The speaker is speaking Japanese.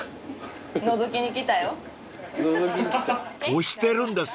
［押してるんですかね］